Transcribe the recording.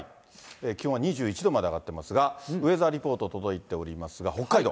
気温は２１度まで上がってますが、ウェザーリポート、届いておりますが、北海道。